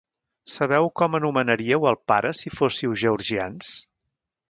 Sabeu com anomenaríeu al pare si fóssiu georgians?